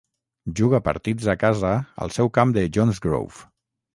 Juga partits a casa al seu camp de "Johnsgrove".